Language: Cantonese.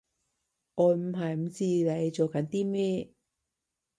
我唔係唔知你做緊啲咩